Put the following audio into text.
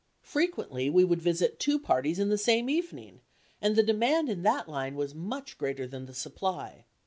Frequently we would visit two parties in the same evening, and the demand in that line was much greater than the supply.